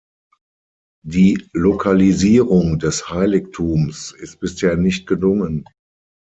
Die Lokalisierung des Heiligtums ist bisher nicht gelungen.